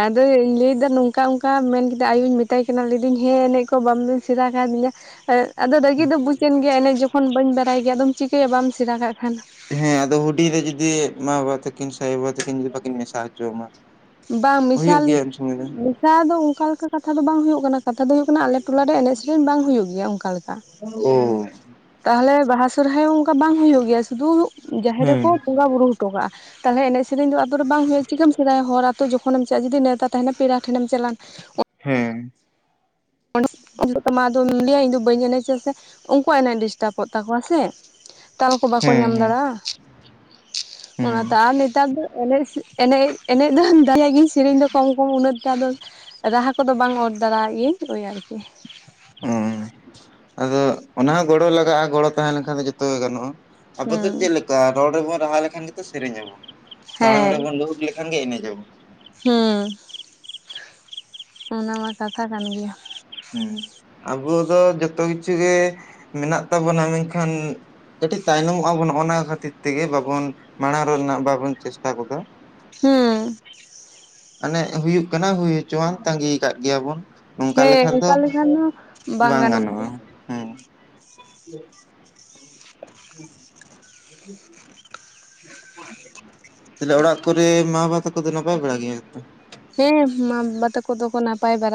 ᱟᱫᱚᱧ ᱞᱟᱹᱭᱫᱟ, ᱱᱚᱝᱠᱟ ᱚᱱᱠᱟ ᱢᱮᱱ ᱠᱮᱫᱟ ᱟᱭᱩᱧ ᱢᱮᱛᱟᱭ ᱠᱟᱱᱟ ᱾ᱞᱟᱹᱭ ᱫᱟᱹᱧ ᱦᱮᱸ ᱮᱱᱮᱡᱽ ᱠᱚ ᱵᱟᱢ ᱥᱮᱬᱟ ᱠᱟᱣ ᱫᱤᱧᱟ᱾ ᱟᱫᱚ ᱨᱟᱹᱜᱤ ᱫᱚ ᱵᱩᱡᱮᱱ ᱜᱮᱭᱟ ᱮᱱᱮᱡᱽ ᱡᱚᱠᱷᱚᱱ ᱵᱟᱹᱧ ᱵᱟᱲᱟᱭ ᱜᱮᱭᱟ᱾ ᱟᱫᱚᱢ ᱪᱤᱠᱟᱹᱭᱟ ᱵᱟᱢ ᱥᱮᱬᱟ ᱠᱟᱜ ᱠᱷᱟᱱ᱾ ᱦᱮᱸ, ᱟᱫᱚ ᱦᱩᱰᱤᱧ ᱨᱮ ᱡᱩᱫᱤ ᱢᱟ ᱵᱟᱵᱟ ᱛᱟᱹᱠᱤᱱ ᱥᱮ ᱟᱭᱳ ᱵᱟᱵᱟ ᱛᱟᱹᱠᱤᱱ᱾ ᱡᱩᱫᱤ ᱵᱟᱹᱠᱤᱱ ᱢᱮᱥᱟ ᱦᱚᱪᱚᱣᱟᱢᱟ᱾ ᱵᱟᱝ ᱦᱩᱭᱩᱜ [UNINTELLIGIBLE] ᱜᱮᱭᱟ ᱩᱱ ᱥᱚᱢᱚᱭ ᱫᱚ ᱠᱟᱛᱷᱟ ᱫᱚ ᱚᱱᱠᱟ ᱞᱮᱠᱟ ᱠᱟᱛᱷᱟ ᱫᱚ ᱵᱟᱝ ᱦᱩᱭᱩᱜ ᱠᱟᱱᱟ᱾ ᱠᱟᱛᱷᱟ ᱫᱚ ᱦᱩᱭᱩᱜ ᱠᱟᱱᱟ ᱟᱞᱮ ᱴᱚᱞᱟ ᱨᱮ ᱮᱱᱮᱡᱽ ᱥᱮᱨᱮᱧ ᱵᱟᱝ ᱦᱩᱭᱩᱜ ᱜᱮᱭᱟ ᱚᱱᱠᱟ ᱞᱮᱠᱟ᱾ ᱦᱩᱸ ᱛᱟᱦᱚᱞᱮ ᱵᱟᱦᱟ, ᱥᱚᱨᱦᱟᱭ ᱦᱚᱸ ᱚᱱᱠᱟ ᱵᱟᱝ ᱦᱩᱭᱩᱜ ᱜᱮᱭᱟ᱾ ᱥᱩᱫᱷᱩ ᱡᱟᱦᱮᱨ ᱨᱮᱠᱚ ᱦᱮᱸ ᱵᱚᱸᱜᱟ ᱵᱩᱨᱩ ᱦᱚᱴᱚ ᱠᱟᱜᱼᱟ᱾ ᱛᱟᱦᱚᱞᱮ ᱮᱱᱮᱡ ᱥᱮᱨᱮᱧ ᱫᱚ ᱟᱛᱳ ᱨᱮ ᱵᱟᱝ ᱦᱳᱭᱳᱜᱼᱟ, ᱪᱤᱠᱟᱹᱢ ᱥᱮᱬᱟᱭᱟ? ᱦᱚᱲ ᱟᱛᱳ ᱡᱚᱠᱷᱚᱱᱮᱢ ᱪᱟᱜᱼᱟ ᱡᱩᱫᱤ ᱱᱮᱶᱛᱟ ᱛᱟᱦᱮᱱᱟ ᱯᱮᱲᱟ ᱴᱷᱮᱱᱮᱢ ᱪᱟᱞᱟᱜᱼᱟ᱾ [UNINTELLIGIBLE] ᱦᱮᱸ᱾ ᱚᱸᱰᱮ [UNINTELLIGIBLE] ᱛᱟᱢᱟ ᱟᱫᱚᱢ ᱞᱟᱹᱭᱟ ᱤᱧᱫᱚ ᱵᱟᱹᱧ ᱮᱱᱮᱡᱟ ᱥᱮ, ᱩᱱᱠᱩᱣᱟᱜ ᱮᱱᱮᱡ ᱰᱤᱥᱴᱟᱵᱚᱜ ᱛᱟᱠᱚᱣᱟ ᱥᱮ᱾ ᱛᱟᱞ ᱠᱚ ᱵᱟᱠᱚ ᱦᱮᱸ ᱧᱟᱢ ᱦᱮᱸ ᱫᱟᱲᱮᱜᱼᱟ᱾ ᱦᱮᱸ ᱚᱱᱟᱛᱮ ᱟᱨ ᱱᱮᱛᱟᱨ ᱫᱚ ᱮᱱᱮᱡ ᱮᱱᱮᱡ ᱮᱱᱮᱡ ᱫᱚ ᱫᱚᱧ ᱫᱟᱲᱮᱭᱟᱜ ᱜᱮᱭᱟᱧ ᱥᱮᱨᱮᱧ ᱫᱚ ᱠᱚᱢ ᱠᱚᱢ ᱩᱱᱟᱹᱜ ᱴᱟ ᱫᱚ ᱨᱟᱦᱟ ᱠᱚᱫᱚ ᱵᱟᱝ ᱚᱨ ᱫᱟᱨᱟᱭᱟᱜ ᱜᱤᱭᱟᱹᱧ ᱳᱭ ᱟᱨᱠᱤ᱾ ᱚᱸ ᱟᱫᱚ ᱚᱱᱟ ᱦᱚᱸ ᱜᱚᱲᱚ ᱞᱟᱜᱟᱜᱼᱟ, ᱜᱚᱲᱚ ᱛᱟᱦᱮᱸ ᱞᱮᱱᱠᱷᱟᱱ ᱫᱚ ᱡᱚᱛᱚ ᱜᱮ ᱜᱟᱱᱚᱜᱼᱟ᱾ ᱟᱵᱚ ᱫᱚ ᱦᱩᱸ ᱪᱮᱫ ᱞᱮᱠᱟ? ᱨᱚᱲ ᱨᱮᱵᱚᱱ ᱨᱟᱦᱟ ᱞᱮᱠᱷᱟᱱ ᱜᱮᱛᱚ ᱥᱮᱨᱮᱧ ᱟᱵᱚᱱ ᱛᱟᱲᱟᱢ ᱦᱮᱸ ᱨᱮᱵᱚᱱ ᱞᱩᱦᱩᱠ ᱞᱮ ᱠᱷᱟᱱ ᱜᱮ ᱮᱱᱮᱡ ᱟᱵᱚ ᱾ ᱦᱩᱸ ᱚᱱᱟ ᱢᱟ ᱠᱟᱛᱷᱟ ᱠᱟᱱ ᱜᱮᱭᱟ᱾ ᱦᱩᱸ ᱟᱵᱚ ᱫᱚ ᱡᱚᱛᱚ ᱠᱤᱪᱷᱩ ᱜᱮ ᱢᱮᱱᱟᱜ ᱛᱟᱵᱚᱱᱟ, ᱢᱮᱱᱠᱷᱟᱱ ᱠᱟᱹᱴᱤᱡ ᱛᱟᱭᱱᱚᱢᱚᱜ ᱟᱵᱚᱱ ᱱᱚᱜᱼᱚᱱᱟ ᱠᱷᱟᱹᱛᱤᱨ ᱛᱮᱜᱮ ᱵᱟᱵᱚᱱ ᱢᱟᱬᱟᱝ ᱨᱮᱱᱟᱜ ᱵᱟᱵᱚᱱ ᱪᱮᱥᱴᱟ ᱜᱚᱫᱟ᱾ ᱦᱩᱸᱻ᱾ ᱢᱟᱱᱮ ᱦᱩᱭᱩᱜ ᱠᱟᱱᱟ ᱦᱩᱭ ᱦᱚᱪᱚᱣᱟᱱ, ᱛᱟᱸᱜᱤᱭ ᱠᱟᱫ ᱜᱮᱭᱟ ᱵᱚᱱ᱾ ᱚᱱᱠᱟ ᱦᱮᱸ ᱞᱮᱠᱷᱟᱱ ᱫᱚ ᱚᱱᱠᱟ ᱞᱮᱠᱷᱟᱱ ᱦᱚᱸ ᱵᱟᱝ ᱜᱟᱱᱚᱜ ᱜᱟᱱᱚᱜᱼᱟ᱾ ᱜᱮᱭᱟ ᱦᱮᱸ [INAUDIBLE] [INAUDIBLE] [INAUDIBLE] ᱪᱮᱞᱮ ᱚᱲᱟᱜ ᱠᱚᱨᱮ ᱢᱟ ᱵᱟᱵᱟ ᱛᱟᱠᱚ ᱫᱚ ᱱᱟᱯᱟᱭ ᱵᱟᱲᱟ ᱜᱮᱭᱟ ᱠᱚ ᱛᱚ? ᱦᱮᱸ ᱢᱟ ᱵᱟᱵᱟ ᱛᱟᱠᱚ ᱫᱚᱠᱚ ᱱᱟᱯᱟᱭ ᱵᱟᱨᱟ